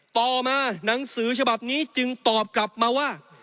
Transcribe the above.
ต่อมาหนังสือฉบับนี้จึงตอบกลับมาว่า